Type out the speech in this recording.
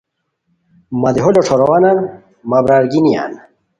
مہ دیہو لوٹھوروانان مہ برار گینیان!